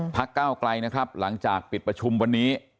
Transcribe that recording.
ก้าวไกลนะครับหลังจากปิดประชุมวันนี้